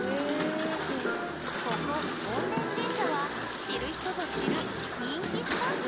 ここ穏田神社は知る人ぞ知る人気スポット！